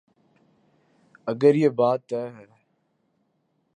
اگر یہ بات طے ہے۔